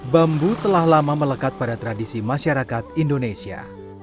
bambu telah lama melekat pada tradisi masyarakat indonesia